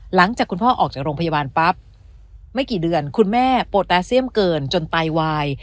หลังจากคุณพ่อออกจากโรงพยาบาลปั๊บไม่กี่เดือนคุณแม่โปรตาเซียมเกินจนไตวาย